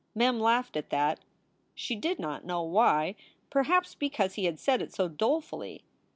Mem laughed at that. She did not know why. Perhaps because he had said it so dolefully.